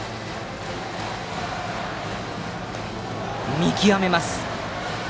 見極めます。